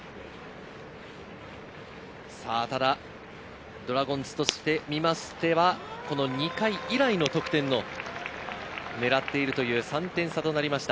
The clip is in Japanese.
ただドラゴンズとしてみましては、２回以来の得点を狙っている３点差となりました。